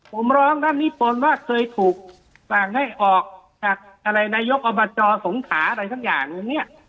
ผมร้องท่านนิพนธ์ว่าเคยถูกสั่งให้ออกจากอะไรนายกอบจสงขาอะไรสักอย่างหนึ่งเนี่ย